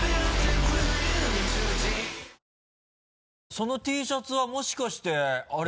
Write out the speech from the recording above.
そのＴシャツはもしかしてあれ？